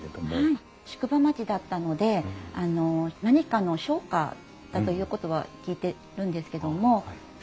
はい宿場町だったので何かの商家だということは聞いてるんですけども。